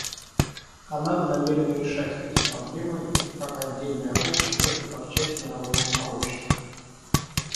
Канада намерена решать эти проблемы и как отдельное общество и как часть мирового сообщества.